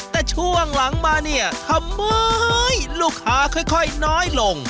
แต่ช่วงหลังมาเนี่ยทำไมลูกค้าค่อยน้อยลง